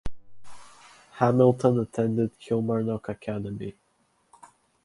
Hamilton attended Kilmarnock Academy.